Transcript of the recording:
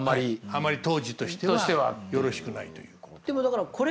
あまり当時としてはよろしくないという。